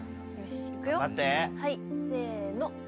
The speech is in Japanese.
せの。